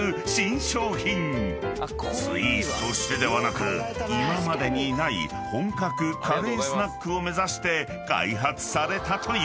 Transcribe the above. ［スイーツとしてではなく今までにない本格カレースナックを目指して開発されたという］